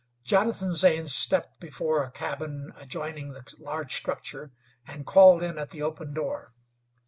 Jonathan Zane stepped before a cabin adjoining the large structure, and called in at the open door.